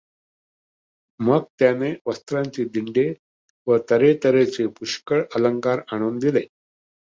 मग त्यानें वस्त्रांचीं दिंडें व तर् हेतऱ्हेचे पुष्कळ अलंकार आणून दिले.